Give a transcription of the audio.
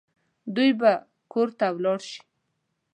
دوی به کور ته ولاړ شي